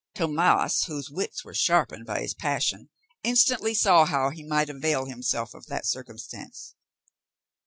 Tomas, whose wits were sharpened by his passion, instantly saw how he might avail himself of that circumstance.